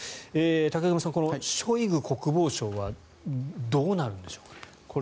武隈さん、このショイグ国防相はどうなるんでしょうか。